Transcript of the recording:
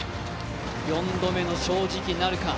４度目の正直なるか。